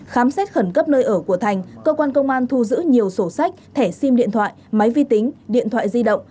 khám xét khẩn cấp nơi ở của thành cơ quan công an thu giữ nhiều sổ sách thẻ sim điện thoại máy vi tính điện thoại di động